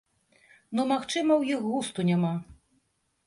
Ну, магчыма, у іх густу няма.